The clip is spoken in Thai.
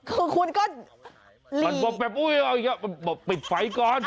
คือคุณก็มันบอกแบบอุ๊ยปิดไฟก่อน